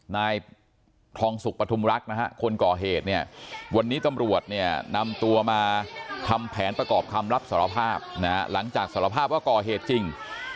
นายทองสุขปฐุมรักนะฮะคนก่อเหตุเนี่ยวันนี้ตำรวจเนี่ยนำตัวมาทำแผนประกอบคำรับสารภาพนะฮะหลังจากสารภาพว่าก่อเหตุจริง